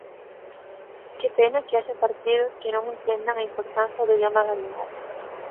¡Que pena que haxa partidos que non entendan a importancia do idioma galego!